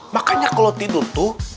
makanya kalau tidur tuh